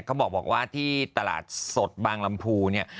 เขาบอกว่าที่ตลาดสดบางลำพูเนี่ย